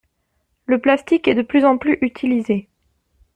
Le plastique est de plus en plus utilisé.